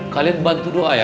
kalian bantu doa ya